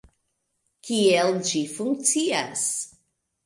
Kiel ĝi funkcias?